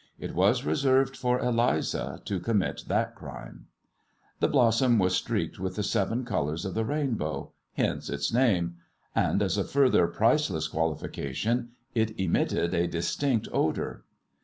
It was reserved for Eliza to commit that crime. The blossom was streaked with the seven colours of the rainbow — ^hence its name — and as a further priceless quali fication it emitted a distinct odour.